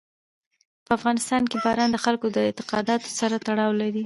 په افغانستان کې باران د خلکو د اعتقاداتو سره تړاو لري.